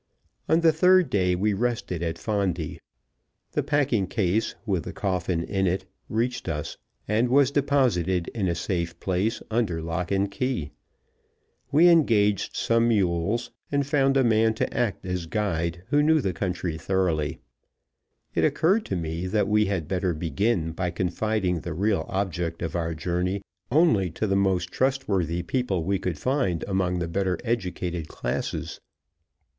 On the third day we rested at Fondi. The packing case, with the coffin in it, reached us, and was deposited in a safe place under lock and key. We engaged some mules, and found a man to act as guide who knew the country thoroughly. It occurred to me that we had better begin by confiding the real object of our journey only to the most trustworthy people we could find among the better educated classes.